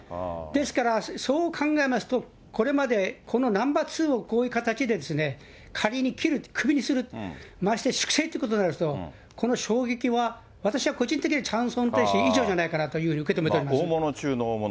ですから、そう考えますと、これまでこのナンバー２をこういう形で仮に切る、首にする、まして粛清ということになりますと、この衝撃は私は個人的にはチャン・ソンテク氏以上じゃないかなと大物中の大物。